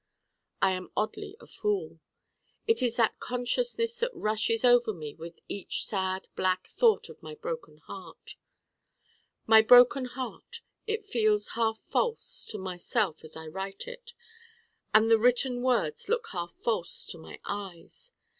I am oddly a fool. It is that consciousness that rushes over me with each sad black thought of my Broken Heart. My Broken Heart it feels half false to myself as I write it. And the written words look half false to my eyes.